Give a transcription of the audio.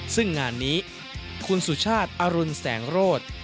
ซึ่งงานนี้คุณสุชาติอรุณแสงโรธ